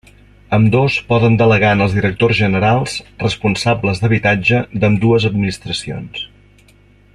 Ambdós poden delegar en els directors generals responsables d'habitatge d'ambdues administracions.